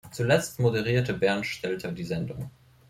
Zuletzt moderierte Bernd Stelter die Sendung.